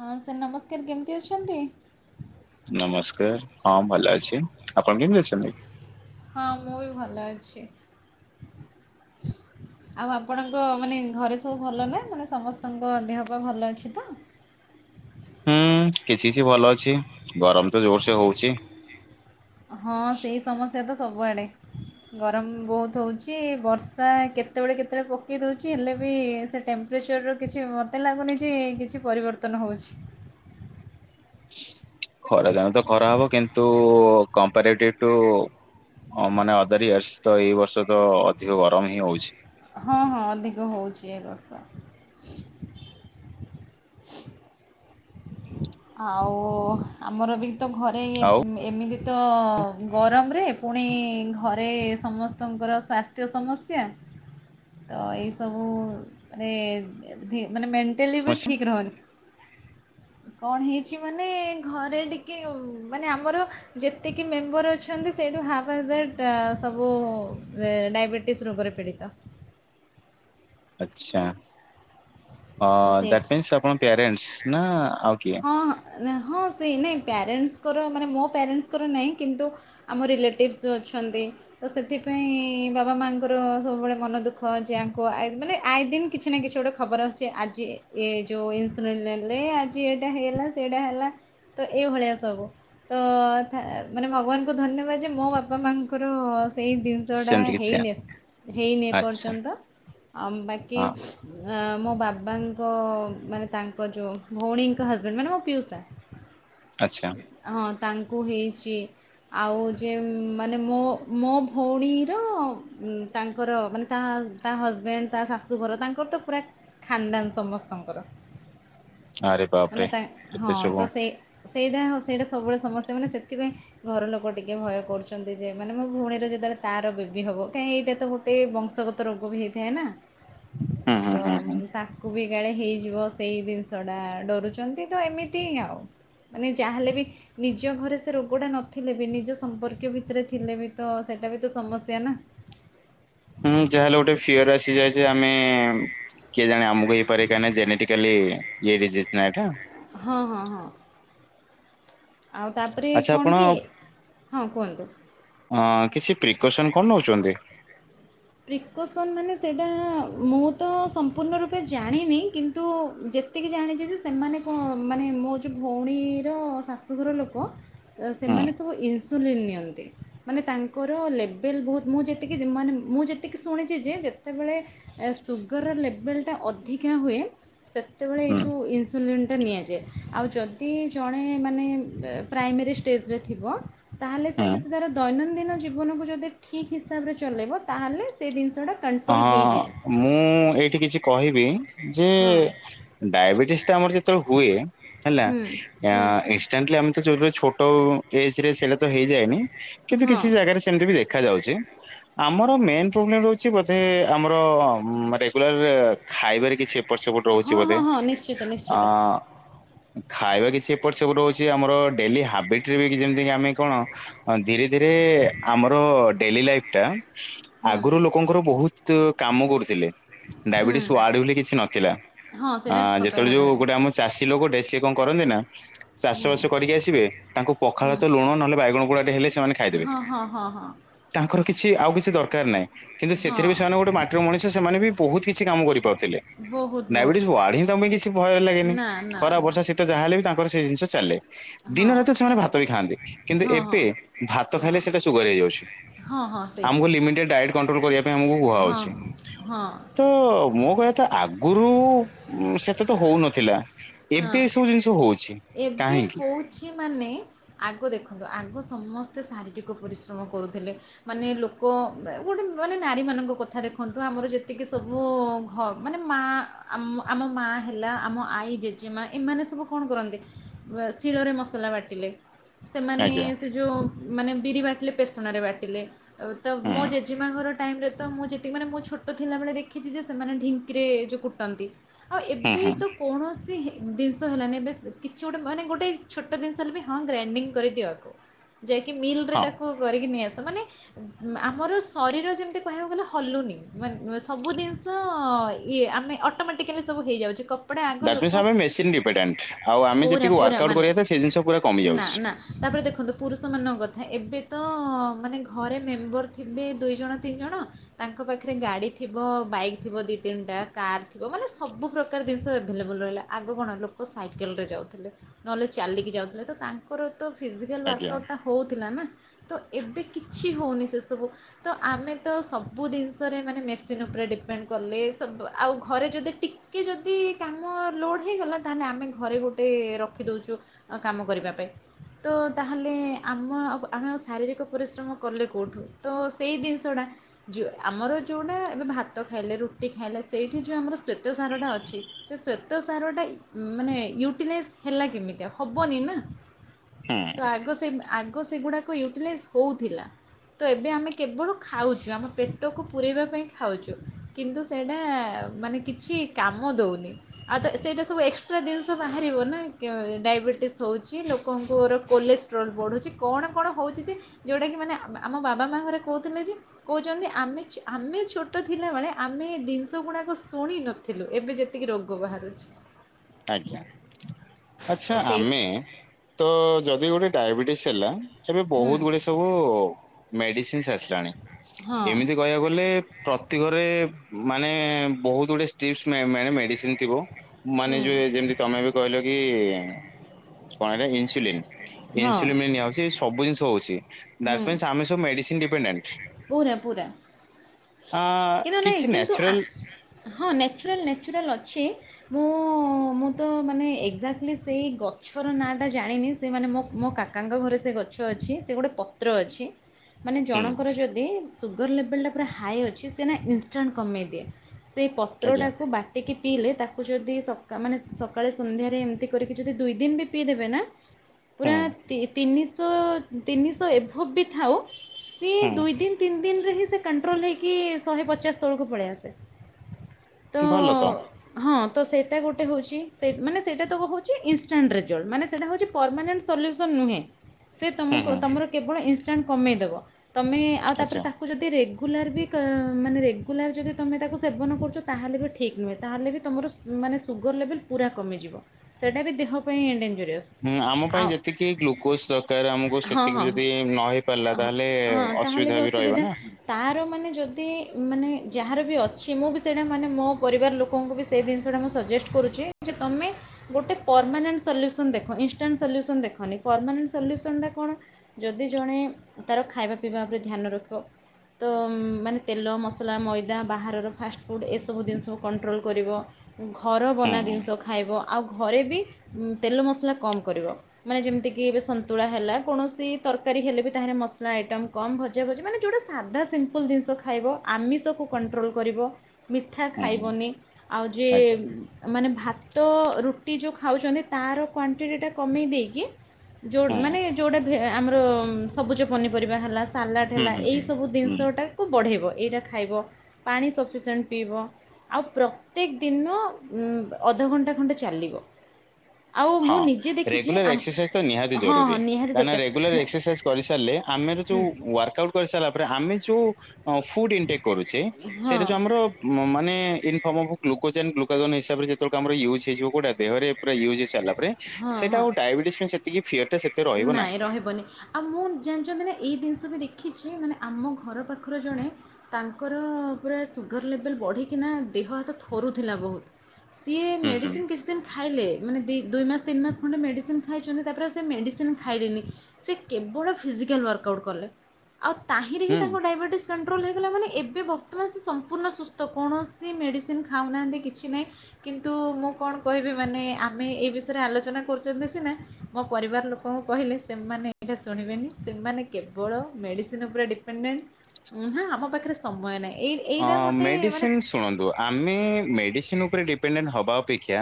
ହଁ ସାର୍ ନମସ୍କାର କେମିତି ଅଛନ୍ତି? ନମସ୍କାର ହଁ ଭଲ ଅଛି ଆପଣ କେମିତି ଅଛନ୍ତି? ହଁ ମୁଁ ବି ଭଲ ଅଛି। ଆଉ ଆପଣଙ୍କ ମାନେ ଘରେ ସବୁ ଭଲ ନା ମାନେ ସମସ୍ତଙ୍କ ଦେହ ପା ଭଲ ଅଛି ତ? ହୁଁ କିଛି କିଛି ଭଲ ଅଛି। ଗରମ ତ ଜୋରସେ ହଉଚି। ହଁ ସେଇ ସମସ୍ୟା ତ ସବୁଆଡେ। ଗରମ ବହୁତ ହଉଚି। ବର୍ଷା କେତେବେଳେ କେତେବେଳେ ପକେଇ ଦଉଚି। ହେଲେ ବି ସେ ଟେମ୍ପ ପ୍ରେଚର୍ କିଛି ମୋତେ ଲାଗୁନି ଯେ କିଛି ପରିବର୍ତ୍ତନ ହଉଚି। ଖରା ଦିନେ ତ ଖରା ହବ କିନ୍ତୁ କମ୍ପାରେଟିଭି ଟୁ ହଁ ମାନେ ଅଦର ଇୟର୍ସ ତ ଏଇ ବର୍ଷ ତ ଅଧିକ ଗରମ ହିଁ ହଉଛି। ହଁ ହଁ ଅଧିକ ହଉଚି ଏ ବର୍ଷ। ଆଉ ଆମର ବି ତ ଘରେ ଇଏ ଆଉ ଏମିତି ତ ଗରମରେ ପୁଣି ଘରେ ସମସ୍ତଙ୍କର ସ୍ୱାସ୍ଥ୍ୟ ସମସ୍ୟା ତ ଏଇ ସବୁ ରେ ଧୀ ମାନେ ମେନ୍ ଣ୍ଟାଲି ବି ଅଛି? ଠିକ୍ ରହୁନି। କଣ ହେଇଚି ମାନେ ଘରେ ଟିକେ ମାନେ ଆମର ଯେତିକି ମେମ୍ବର ଅଛ୍ ଛନ୍ତି ସେଇଠୁ ହାଫ୍ ହାଜ୍ଟ ସବୁ ୱେ ଡାଇବେଟିସ୍ ରୋଗରେ ପୀଡ଼ିତ। ଆଚ୍ଛା ତ ସେଇଠି ଦ୍ୟାଟ ମିନ୍ସ ଆପଣ ପ୍ୟାରେଣ୍ଟସ୍ ନା ଆଉ କିଏ? ଆଁ ନା ହଁ ସେ ନାଇଁ ପ୍ୟାରେଣ୍ଟସ୍ ଙ୍କ ମାନେ ମୋ ପ୍ୟାରେଣ୍ଟସ୍ ଙ୍କର ନାଇଁ କିନ୍ତୁ ଆମ ରିଲେଟିଭ୍ସ ଯେଉଁ ଅଛନ୍ତି। ତ ସେଥିପାଇଁ ବାବା ମାଆଙ୍କର ସବୁବେଳେ ମନ ଦୁଃଖ ଯେ ଆଙ୍କୁ ଆଇ ମାନେ ଆଇ ଦିନ କିଛି ନା କିଛି ଗୋଟେ ଖବର ଆସୁଛି ଆଜି ଏ ଯୋଉ ଇନ୍ସୁଲିନ ନେଲେ ଆଜି ଏଇଟା ହେଇଗଲା ସେଇଟା ହେଲା। ତ ଏଇଭଳିଆ ସବୁ। ତ ମାନେ ଭଗବାନଙ୍କୁ ଧନ୍ୟବାଦ ଯେ ମୋ ବାପା ମାଆଙ୍କର ସେଇ ଜିନିଷଟା ସେମିତି କିଛି ହେଇନି ଏ ହେଇନି ଆଚ୍ଛା ଏପର୍ଯ୍ୟନ୍ତ ଆଉ ବାକି ହଁ ଆଁ ମୋ ବା ବାପା ଙ୍କ ମାନେ ତାଙ୍କ ଯୋଉ ଭଉଣୀଙ୍କ ହଜବେଣ୍ଡ ମାନେ ମୋ ପିଉସା। ଆଚ୍ଛା ହଁ ତାଙ୍କୁ ହେଇଛି। ଆଉ ଯେ ମାନେ ମୋ ମୋ ଭଉଣୀର ତାଙ୍କର ମାନେ ତାହା ତା ହଜବେଣ୍ଡ୍ ତା ଶାଶୁଘର ତାଙ୍କର ତ ପୁରା ଖାନଦାନ ସମସ୍ତଙ୍କର। ଆରେ ମାନେ ବାପରେ ତା ହଁ ଏତେ ସବୁ ତ ସେ ସେଇଟା ହଁ ସେଇଟା ସବୁବେଳେ ସମସ୍ତେ ମାନେ ସେଥିପାଇଁ ଘର ଲୋକ ଟିକେ ଭୟ କରୁଛନ୍ତି ଯେ ମାନେ ମୋ ଭଉଣୀର ଯେତେବେଳେ ତାର ବେବି ହେବ କାଇଁ ଏଇଟା ତ ଗୋ ଏଇ ବଂଶଗତ ରୋଗ ବି ହେଇଥାଏ ନା ହୁଁ ହୁଁ ହୁଁ ହୁଁ ତ ତାକୁ ବି କାଳେ ହେଇଯିବ ସେଇ ଜିନିଷ ଟା ଡ଼ରୁଛନ୍ତି ତ ଏମିତି ହିଁ ଆଉ। ମାନେ ଯାହାହେଲେ ବି ନିଜ ଘରେ ସେ ରୋଗଟା ନଥିଲେ ବି ନିଜ ସମ୍ପର୍କୀୟ ଭିତରେ ଥିଲେ ବି ତ ସେଇଟା ବି ତ ସମସ୍ୟା ନା। ହୁଁ ଯାହାହେଲେ ଗୋଟେ ଫିୟର ଆସିଯାଏ ଯେ ଆମେ କିଏ ଜାଣେ ଆମକୁ ହେଇପାରେ କାଇଁନା ଜେନେଟିକାଲି ଇଏ ଡ଼ିଜିଜି ନା ଏଇଟା। ହଁ ହଁ ହଁ। ଆଉ ତାପରେ ଆଚ୍ଛା କଣ ଆପଣ କି ହଁ କୁହନ୍ତୁ। ହଁ କିଛି ପ୍ରିକସନ୍ କଣ ନଉଚନ୍ତି? ପ୍ରିକସନ୍ ମାନେ ସେଇଟା ମୁଁ ତ ସମ୍ପୂର୍ଣ୍ଣ ରୂପେ ଜାଣିନି କିନ୍ତୁ ଯେ ଏତିକି ଜାଣିଚି ଯେ ସେମାନେ କଣ ମାନେ ମୋ ଯୋଉ ଭଉଣୀର ଶାଶୁଘର ଲୋକ ହୁଁ ସେମାନେ ସବୁ ଇନ୍ସୁଲିନ୍ ନିଅନ୍ତି ମାନେ ତାଙ୍କର ଲେଭଲ୍ ବହୁତ୍ ମୁଁ ଯେତିକି ମାନେ ମୁଁ ଯେତିକି ଶୁଣିଛି ଯେ ଯେତେବେଳେ ଏ ସୁଗରର ଲେବଲ୍ ଟା ଅଧିକା ହୁଏ ସେତେବେଳେ ଏଇ ହୁଁ ଯୋଉ ଇ ଇନ୍ସୁଲିନ୍ ଟା ନିଆଯାଏ ଆଉ ଯଦି ଜଣେ ମାନେ ପ୍ରାଇମେରୀ ଷ୍ଟେଜ୍ ରେ ଥିବ ତାହେଲେ ସେ ହୁଁ ଯଦି ତାର ଦୈନନ୍ଦିନ ଜୀବନକୁ ଯଦି ଠିକ୍ ହିସାବରେ ଚଲାଇବ ତା ହେଲେ ସେ ଜିନିଷ ଟା ହଁ ମୁଁ ଏଇଠି କିଛି କହିବି ଯେ ହଁ ଡାଇବେଟିସ୍ ଟା ଆମର ଯେତେବେଳେ ହୁଏ ହେଲା ହୁଁ ଏ ହୁଁ ଏକ୍ସାକ୍ଟଲି ଆମେ ତ ଯେବେ ଛୋଟ ଏଜ୍ ରେ ସେଟା ତ ହେଇଯାଏନି। କିନ୍ତୁ ହଁ କିଛି ଜାଗାରେ ସେମିତି ବି ଦେଖାଯାଉଛି ଆମର ମେନ୍ ପ୍ରୋବ୍ଲେମ୍ ର ରହୁଛି ବୋଧେ ଆମର ରେଗୁଲାର ଖାଇବାରେ କିଛି ଏପଟେ ସେପଟ ରହୁଛି ହଁ ବୋଧେ ହଁ ହଁ ନିଶ୍ଚିତ ଅ ନିଶ୍ଚିତ ଖାଇବା କିଛି ଏପଟ ସେପଟ ରହୁଛି ଆମର ଡେଲି ହାବିଟି ରେ ବି ଯେମିତି ଆମେ କଣ ହଁ ଧୀରେ ଧୀରେ ଆମର ଡେଲି ଲାଇଫ୍ ଟା ହୁଁ ଆଗରୁ ଲୋକଙ୍କର ବହୁତ୍ କାମ କରୁଥିଲେ। ହୁଁ ଡାଇବେଟିସ୍ ୱାଡ଼ ବୋଲି କିଛି ନଥିଲା ହଁ ଆ ସେଇଟା ସତ ଯେତେବେଳେ କଥା ଯୋଉ କହିଲେ ଗୋଟେ ଆମ ଚାଷୀ ଲୋକ ଟେ ସେ କଣ କରନ୍ତି ନା ଚାଷବାସ କରିକି ଆସିବେ ତାଙ୍କୁ ପଖାଳ ହୁଁ ଭାତ ଲୁଣ ନହେଲେ ବାଇଗଣ ପୋଡ଼ା ଟେ ହେଲେ ସେମାନେ ଖାଇଦେବେ। ହଁ ହଁ ହଁ ହଁ। ତାଙ୍କର କିଛି ଆଉ କିଛି ଦରକାର ନାହିଁ। କିନ୍ତୁ ହଁ ସେଥିରେ ବି ସେମାନେ ଗୋଟେ ମାଟିର ମଣିଷ ସେମାନେ ବି ବହୁତ୍ କିଛି କାମ କରିପାରୁଥିଲେ। ବହୁତ ଡାଇବେଟିସ୍ ବହୁତ ୱାଡ଼ ହିଁ ତାଙ୍କ ପାଇଁ କିଛି ଭୟ ଲାଗେନି ନା ନା ଖରା, ନା ବର୍ଷା, ଶୀତ ଯାହାହଲେବି ତାଙ୍କର ସେ ଜିନିଷ ଚାଲେ। ହଁ ଦିନ ରାତି ସେମାନେ ଭାତ ବି ଖାଆନ୍ତି କିନ୍ତୁ ହଁ ହଁ ଏବେ ଭାତ ହଁ ଖାଇଲେ ସେଟା ସୁଗାର ହେଇଯାଉଛି। ହଁ ହଁ ସେଇ ଆମକୁ ଲିମିଟେଡ଼ ଡାଏଟ୍ କଣ୍ଟ୍ରୋଲ କରିବା ପାଇଁ ଆମକୁ ହଁ କୁହାଯାଉଚି। ହଁ ତ ମୋ କହିବା କଥା ଆଗରୁ ସେତେ ତ ହଉନଥିଲା। ହଁ ଏବେ ଏ ସବୁ ଜିନିଷ ହଉଛି କାହିଁକି? ସେମାନେ ଆଗ ଦେଖନ୍ତୁ ଆଗ ସମସ୍ତେ ଶାରୀରିକ ପରିଶ୍ରମ କରୁଥିଲେ। ମାନେ ଲୋକ ଗୋଟେ ମାନେ ନାରୀମାନଙ୍କ କଥା ଦେଖନ୍ତୁ ଆମର ଯେତିକି ସବୁ ହଁ ମାନେ ମା ଆମ ମା ହେଲା ଆମ ଆଈ ଜେ ଜେଜେମା ଏମାନେ ସବୁ କଣ କରନ୍ତି ସିଲରେ ମସଲା ବାଟିଲେ ସେମାନେ ଆଜ୍ଞା ସେ ଯେଉଁ ମାନେ ବିରି ବାଟିଲେ ପେସଣରେ ବାଟିଲେ ତ ହୁଁ ମୋ ଜେଜେମା ଙ୍କର ଟାଇମରେ ତ ମୁଁ ଯେତିକି ମାନେ ମୁଁ ଛୋଟ ଥିଲାବେଳେ ଦେଖିଛି ଯେ ସେମାନେ ଢିଙ୍କିରେ ଯେଉଁ କୁଟନ୍ତି। ଆଉ ହୁଁ ଏବେ ହୁଁ ତ କୌଣସି ଜିନିଷ ହେଲାନି ବେଶ କିଛି ଗୋଟେ ମାନେ ଗୋଟେ ଛୋଟ ଜିନିଷ ହେଲେ ବି ହଁ ଗ୍ରାଇଣ୍ଡିଙ୍ଗ କରିଦିଅ ଆକୁ। ଯାଇକି ମିଲ ରେ ହଁ। ତାକୁ କରିକି ନେଇ ଆସ ମାନେ ଆମର ଶରୀର ଯେମିତି କହିବାକୁ ଗଲେ ହଲୁନି ମାନେ ସବୁ ଜିନିଷ ଇଏ ଆମେ ଅଟୋମେଟିକାଲି ସବୁ ହେଇଯାଉଛି କପଡ଼ା ଆଗ ଦାଟ୍ ଲୋକ [unintelligible] ଆଉ ଆମେ ପୁରା ଯେତିକି ୱାର୍କ ପୁରା ଆଉଟ ମାନେ କରିବା ସେ ଜିନିଷ ପୁରା କମି଼ ନା ଯାଉଛି। ନା ତାପରେ ଦେଖନ୍ତୁ ପୁରୁଷ ମାନଙ୍କ କଥା ଏବେ ତ ମାନେ ଘରେ ମେମ୍ବର ଥିବେ ଦୁଇ ଜଣ ତିନି ଜଣ ତାଙ୍କ ପାଖରେ ଗାଡ଼ି ଥିବ ବାଇକ୍ ଥିବ ଦୁଇ ତିନିଟା କାର୍ ଥିବ ମାନେ ସବୁ ପ୍ର୍ରକାର ଜିନିଷ ଏଭେଲେବଲ୍ ରହିଲା। ଆଗ କଣ ଲୋକ ସାଇକେଲରେ ଯାଉଥିଲେ ନହେଲେ ଚାଲିକି ଯାଉଥିଲେ ତ ତାଙ୍କ ର ତ ଫିଜିକାଲ୍ ୱାର୍କ ଆଜ୍ଞା ଆଉଟ୍ ଟା ହଉଥିଲା ନା ତ ଏବେ କିଛି ହଉନି ସେ ସବୁ ତ ଆମେ ତ ସବୁ ଜିନିଷରେ ମାନେ ମେସିନ୍ ଉପରେ ଡିପେଣ୍ଡ୍ କଲେ ସବୁ ଆଉ ଘରେ ଯଦି ଟିକେ ଯଦି କାମ ଲୋଡ୍ ହେଇଗଲା ତାହେଲେ ଆମେ ଘରେ ଗୋଟେ ରଖି ଦଉଚୁ କାମ କରିବା ପାଇଁ। ତ ତାହେଲେ ଆମ ଆମେ ଶାରୀରିକ ପରିଶ୍ରମ କଲେ କଉଠୁ ତ ସେଇ ଜିନିଷଟା ଯୋ ଆମର ଯୋଉଟା ଏବେ ଭାତ ଖାଇଲେ ରୁଟି ଖାଇଲେ ସେଇଠି ଯୋଉ ଆମର ଶ୍ଵେ ତ ସାରଟା ଅଛି ଶ୍ଵେ ତ ସାର ଟା ମାନେ ୟୁଟିଲାଇଜ୍ ହେଲା କେମିତି ଆଉ ହବନି ନା ହୁଁ ତ ଆଗ୍ ତ ସେ ଆଗ ସେଗୁଡାକ ୟୁଟିଲାଇଜ୍ ହଉଥିଲା। ତ ଏବେ ଆମେ କେବଳ ଖାଉଚୁ ଆମ ପେଟକୁ ପୁରେଇବା ପାଇଁ ଖାଉଚୁ। କିନ୍ତୁ ସେଇଟା ମାନେ କିଛି କାମ ଦଉନି। ଆଉ ତ ସେଇଟା ସବୁ ଏକ୍ସଟ୍ରା ଜିନିଷ ବାହାରିବ ନା ଡାଇବେଟିସ୍ ହଉଚି ଲୋକଙ୍କର କୋଲେଷ୍ଟ୍ରୋଲ୍ ବଢ଼ୁଛି କଣ କଣ ହଉଚି ଯେ ଯଉଟାକି ମାନେ ଆମ ବାବା ମା ଘରେ କହୁଥିଲେ ଯେ କହୁଚନ୍ତି ଆମେ ଆମେ ଛୋଟ ଥିଲାବେଳେ ଆମେ ଜିନିଷ ଗୁଡ଼ାକ ଶୁଣି ନଥିଲୁ ଏବେ ଯେତିକି ରୋଗ ରୋଗ ବାହାରୁଚି। ଆଜ୍ଞା ଆଚ୍ଛା ସେ ଆମେ ତ ଯଦି ଗୋଟେ ଡାଇବେଟିସ୍ ହେଲା ଏବେ ହୁଁ ବହୁତ ଗୁଡେ ସବୁ ମେଡ଼ିସିନ୍ସି ଆସିଲାଣି ହଁ ଏମିତି କହିବାକୁ ଗଲେ ପ୍ରତି ଘରେ ମାନେ ବହୁତ ଗୁଡ଼ିଏ ଷ୍ଟିପ୍ସ ମେ ମେଡ଼ିସିନ୍ ଥିବ ମାନେ ହୁଁ ଯେମତି ତମେ ବି କହିଲ କି କଣ ହେ ଇନ୍ସୁଲିନ୍ ହଁ ଇନ୍ସୁଲିନ୍ ନିଆ ସବୁ ଜିନଷ ହଉଚି ହୁଁ ଦାଟ୍ ମେନ୍ସ ଆମେ ସବୁ ମେଡ଼ିସିନ୍ ଡିପେଣ୍ଡ୍ଟ ପୁରା ପୁରା ଅ କିନ୍ତୁ ନାଇଁ କିଛି କିନ୍ତୁ ଆ ନ୍ୟାଚୁରାଲ୍ ହଁ ନ୍ୟାଚୁରାଲ୍ ନ୍ୟାଚୁରାଲ୍ ଅଛି ମୁଁ ମୁଁ ତ ମାନେ ଏକ୍ଜାକ୍ଟଲି ସେଇ ଗଛର ନାଁଟା ଜାଣିନି ସେମାନେ ମ ମୋ କା କାକାଙ୍କ ଘରେ ସେ ଗଛ ଅଛି ସେ ଗୋଟେ ପତ୍ର ଅଛି ମାନେ ହୁଁ ଜଣଙ୍କର ଯଦି ସୁଗର ଲେବେଲ୍ ଟା ପୁରା ହାଏ ଅଛି ସେ ନା ଇନ୍ ଷ୍ଟାଣ୍ଡ୍ କମେଇ ଦିଏ ସେ ଆଜ୍ଞା ପତ୍ରଟାକୁ ବା ଟିକି ପିଇଲେ ତାକୁ ଯଦି ସକା ମାନେ ସକାଳେ ସନ୍ଧ୍ୟାରେ ଏମିତି କରିକି ଯଦି ଦୁଇ ଦିନ ବି ପିଇଦେବେ ନା ପୁରା ହୁଁ ତି ତିନିସ ତିନିସ ଏଭବ୍ ବି ଥାଉ ସି ହୁଁ ଦୁଇ ଦିନ୍ ତିନି ଦିନରେ ହିଁ ସେ କଣ୍ଟ୍ରୋଲ ହେଇକି ଶହେ ପଚାଶ ତଳକୁ ପଳେଇ ଆସେ। ଭଲ ତ। ହଁ ତ ସେଟା ଗୋଟେ ହଉଚି ସେ ମାନେ ସେଇଟା ତ ହେଉଛି ଇନଷ୍ଟାଣ୍ଟ ରେଜଲ୍ଟ ମାନେ ସେଟା ହଉଚି ପରମାନେଣ୍ଟ ସଲ୍ୟୁସନ୍ ନୁହେଁ। ସେ ହୁଁ ତମକୁ ହୁଁ ତମର କେବଳ ଇନଷ୍ଟାଣ୍ଟ୍ କମେଇଦବ ତୁମେ ଆଉ ତାପରେ ଆଚ୍ଛା ତାକୁ ଯଦି ରେ ରେଗୁଲାର ବି ମାନେ ରେଗୁଲାର ଯଦି ତୁମେ ତାକୁ ସେବନ କରୁଚ ତାହେଲେ ବି ଠିକ୍ ନୁହେଁ ତାହେଲେ ବି ତମର ମାନେ ସୁଗର୍ ଲେବଲ୍ ପୁରା କମିଯିବ ସେଇଟା ବି ଦେହ ପାଇଁଁ ଡେଞ୍ଜରିଅସ୍। ହୁଁ ଆମ ପାଇଁ ଯେତିକି ଗ୍ଲୁକୋଜ୍ ଦରକାର ଆମକୁ ହଁ ସେତିକି ହଁ ବି ଯଦି ନ ହେଇ ପାରିଲା ହଁ ତାହେଲେ ହଁ ତାହେଲେ ଅସୁବିଧା ବି ରହିବ ନା। ତାର ମାନେ ଯୋଦି ମାନେ ଯାହାର ବି ଅଛି ମୁଁ ବି ସେଇଟା ମାନେ ମୋ ପରିବାର ଲୋ ଲୋକଙ୍କୁ ବି ସେଇ ଦିନଷଟା ମୁଁ ସଜେଷ୍ଟ କରୁଚି ଯେ ତମେ ଗୋଟେ ପରମାନେଣ୍ଟ୍ ସଲ୍ୟୁସନ୍ ଦେଖ ଇନଷ୍ଟାଣ୍ଟ୍ ସଲ୍ୟୁସନ୍ ଦେଖନି ପରମାନେଣ୍ଟ୍ ସଲ୍ୟୁସନଟା କଣ ଯଦି ଜଣେ ତାର ଖାଇବା ପିଇବା ଉପରେ ଧ୍ୟାନ ରଖିବ ତ ମାନେ ତେଲ, ମସଲା, ମଇଦା ବାହାରର ଫାଷ୍ଟଫୁଡ଼୍ ଏସବୁ ଜିନିଷକୁ କଣ୍ଟ୍ରୋଲ କରିବ ଘର ହୁଁ ବନା ଦିନିଷ ଖାଇବ ଆଉ ଘରେ ବି ଉଁ ତେଲ ମସଲା କମ୍ କରିବ। ମାନେ ଯେମତିକି ଏବେ ସନ୍ତୁଳା ହେଲା କୌଣସି ତରକାରୀ ହେଲେ ବି ତାହିରେ ମସଲା ଆଇଟମ୍ କମ ଭଜାଭଜି ମାନେ ଯେଉଟା ସା ଧା ସିମ୍ପଲ୍ ଜିନିଷ ଖାଇବ ଆମିଷକୁ କଣ୍ଟ୍ରୋଲ୍ କରିବ। ମିଠା ହୁଁ ଖାଇବନି ଆଉ ଯିଏ ଆଜ୍ଞା ମାନେ ଭାତ, ରୁଟି ଯୋଉ ଖାଉଚନ୍ତି ତାର କ୍ଵାଣ୍ଟିଟିଟା କମେଇ ଦେଇକି ଯୋଉ ହୁଁ ମାନେ ଯଉଟା ଭେ ଆମର ସବୁଜ ପନିପରିବା ହେଲା ସାଲାଡ୍ ହୁଁ ହେଲା ହୁଁ ଏଇ ହୁଁ ସ୍ ସବୁ ହୁଁ ଦିନିଷଟାକୁ ବଢ଼େଇବ ଏଇରା ଖାଇବ ପାଣି ସଫିସେଣ୍ଟ୍ ପିଇବ। ଆଉ ପ୍ରତ୍ୟେକ ଦିନ ଉଁ ଅଧଘଣ୍ଟା ଖଣ୍ଡେ ଚାଲିବ। ଆଉ ମୁଁ ହଁ ନିଜେ ଦେଖିଛି ରେଗୁଲାର ଆମ୍- ଏକ୍ସରସାଇଜ୍ ତ ନିହାତି ହଁ ହଁ ଜରୁରୀ ନିହାତି କାରଣ ଦରକାର ରେଗୁଲାର ମୁଁ- ଏକ୍ସରସାଇଜ୍ କରିସାରଲେ ଆମେର ଯୋଉ ୱାର୍କ ଆଉଟ୍ କରିସାରିଲା ପରେ ଆମେ ଯୋଉ ଅ ଫୁଡ ଇନଟେକ୍ କରୁଚେ ହଁ ସେଇରା ଯୋଉ ଆମର ମ-ମାନେ in form of glycogen glycogen ହିସାବରେ ଯେତୋଳେକୁ ଆମର ୟୁଜ ହେଇଯିବ କୋଉଟା ଦେହରେ ପୁର ୟୁଜ୍ ହେଇସାରଲା ପରେ ହଁ ସେଟା ହଁ ଆଉ ଡାଇବେଟିସ୍ ପାଇଁ ସେତିକି ଫିଅରଟା ସେ ନାଇଁ ରହିବନି ଆଉ ମୁଁ ଜାଣିଚନ୍ତି ନା ଏଇ ଦିନଷ ବି ଦେଖିଛି ମାନେ ଆମ ଘର ପାଖର ଜଣେ ତାଙ୍କର ପୁରା ସୁଗାର ଲେବଲ୍ ବଢ଼ିକିନା ଦେହ ହାତ ଥରୁଥିଲା ବୋହୁତ। ସିଏ ହୁଁ ହୁଁ ମେଡିସନ୍ କିସ୍ ସିନ୍ ଖାଇଲେ ମାନେ ଦି ଦୁଇ ମାସ ତିନି ମାସ ଖଣ୍ଡେ ମେଡିସିନ ଖାଇଚନ୍ତି ତାପରେ ଆଉ ସେ ମେଡିସି ସିନ୍ ଖାଇଲେନି ସେ କେବଳ ଫିଜିକାଲ୍ ୱାର୍କ ଆଉଟ୍ କଲେ। ଆଉ ତାହିଁରେ ହିଁ ହୁଁ ତାଙ୍କ ଡାଇବେଟିସ୍ କନ୍ ଟ୍ରୋଲ୍ ହେଇଗଲା ମାନେ ଏବେ ବର୍ତ୍ତମାନ ସେ ସମ୍ପୂର୍ଣ୍ଣ ସୁସ୍ଥ କୌଣସି ମେଡ଼ିସିନ୍ ଖାଉନାହାନ୍ତି କିଛି ନାହିଁ। କିନ୍ତୁ ମୁଁ କଣ କହିବି ମାନେ ଆମେ ଏଇ ବିଷୟରେ ଆଲୋଚନା କରୁଚନ୍ତି ସିନା ମୋ ପରିବାର ଲୋକ କଣ କହିଲେ ସେମାନେ ଏଇଟା ଶୁଣିବେନି ସେମାନେ କେବଳ ମେଡ଼ିସିନ ଉପରେ ଡିପେଣ୍ଡେଣ୍ଟ। ଉଁ ହାଁ ଆମ ପାଖରେ ସମୟ ନାହିଁ ଏଇ ହଁ ଏଇଟା ଗୋଟେ ମାନେ ମେଡ଼ିସିନ୍ ଶୁଣନ୍ତୁ ଆମେ ମେଡ଼ିସିନ୍ ଉପରେ ଡିପେଣ୍ଡେଣ୍ଟ୍ ହବା ଅପେକ୍ଷା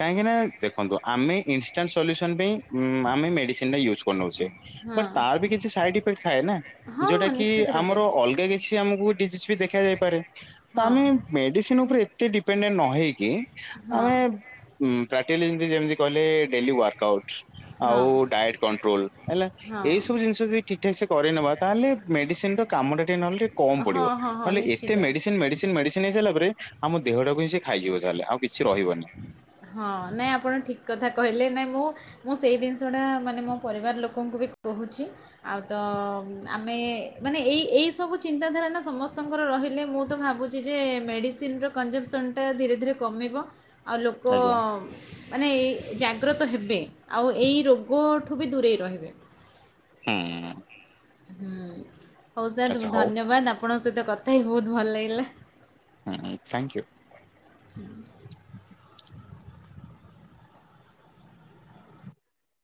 କାହିଁକିନା ଦେଖନ୍ତୁ ଆମେ ଇନଷ୍ଟାଣ୍ଟ୍ ସଲ୍ୟୁସନ୍ ପାଇଁ ଉମ୍ ଆମେ ମେଡିସିନଟା ୟୁଜ୍ କରିନୋଉଚେ। ହଁ ବଟ୍ ତାର ବି କିଛି ସାଇଡ ଇଫେକ୍ଟ ଥାଏ ନା ହଁ ହଁ ଯୋଉଟା କି ନିଶ୍ଚିତ ରୂପେ ଆମର ଅଲଗା କିଛି ଆମକୁ ଡିଜିଜ୍ ବି ଦେ ଖାଯାଇପାରେ ତ ହଁ ଆମେ ମେଡିସିନ୍ ଉପରେ ଏତେ ଡିପେଣ୍ଡେଣ୍ଟ୍ ନ ହେଇକି ହଁ ଆମେ ଉଁ ପ୍ରାକ୍ଟିକାଲି ଯେମତି ଯେମିତି କହେଲେ ଡେଲି ୱାର୍କଆଉଟ୍। ହଁ ଆଉ ଡାଏଟ୍ କଣ୍ଟ୍ରୋଲ୍ ହେଲା ହଁ ଏଇ ସବୁ ଜିନଷ ଯଦି ଠିକ ଠିକସେ କରିନବା ତାହେଲେ ମେଡିସିନ ତ କାମଟା ଟିକେ ନହେଲେ ଟିକେ କମ ହଁ ପଡିବ। ହଁ ହଁ ନିଶ୍ଚିତ ମେଡିସିନ୍ ମେଡିସିନ୍ ମେଡିସିନ୍ ହେଇସାରଲା ପରେ ଆମ ଦେହଟାକୁ ହିଁ ସେ ଖାଇଯିବ ସାଲେ ଆଉ କିଛି ରହିବନି। ହଁ ନାଇଁ ଆପଣ ଠିକ କଥା କହିଲେ ନାଇଁ ମୁଁ ମୁଁ ସେଇ ଦିନଷଟା ମାନେ ମୋ ପରିବାର ଲୋକଙ୍କୁ ବି କୋହୁଛି। ଆଉ ତ ଆମେ ମାନେ ଏଇ ଏଇ ସବୁ ଚିନ୍ତାଧାର ନା ସମସ୍ତଙ୍କର ରହିଲେ ମୁଁ ତ ଭାବୁ ଯିଏ ଯିଏ ମେଡ଼ିସିନର କଞ୍ଜମ୍ପସନଟା ଧୀରେ ଧୀରେ କମିବ ଆଉ ଲୋକ ଆଜ୍ଞା ମାନେ ଏଇ ଜାଗ୍ରତ ହେବେ ଆଉ ଏଇ ରୋଗଠୁ ବି ଦୂରେଇ ରହିବେ। ହୁଁ। ହୁଁ ହୋଉ ସାର୍ ଆଚ୍ଛା ବୋହୁତ ହଉ ଧନ୍ୟବାଦ ଆପଣଙ୍କ ସହିତ କଥା ହେଇ ବୋହୁତ ଭଲ ଲାଗିଲା। ହୁଁଁ ଥ୍ୟାଙ୍କୟୁ। ହୁଁ।